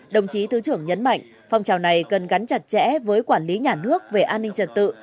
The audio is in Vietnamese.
đồng chí thứ trưởng nhấn mạnh phong trào này cần gắn chặt chẽ với quản lý nhà nước về an ninh trật tự